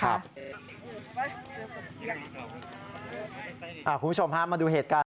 คุณผู้ชมฮะมาดูเหตุการณ์